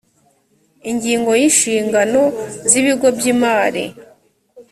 ingingo ya ishingano z ibigo by imari